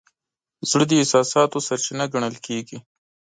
زړه د احساساتو سرچینه ګڼل کېږي.